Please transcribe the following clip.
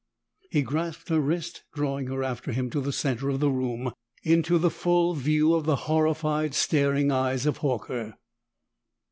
He grasped her wrist, drawing her after him to the center of the room, into the full view of the horrified, staring eyes of Horker.